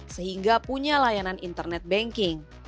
sehingga punya layanan internet banking